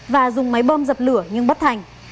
và dùng máy bơm dập lửa nhưng bất thành